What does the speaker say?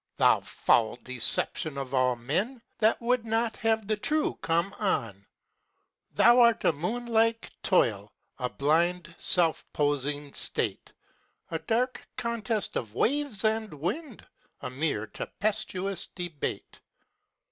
Thou foul deception of all men That would not have the true come on! Thou art a moon like toil; a blind Self posing' state; A dark contest of waves and wind; A mere tempestuous debate.